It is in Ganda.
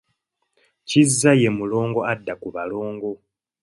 Kizza ye mulongo adda ku balongo.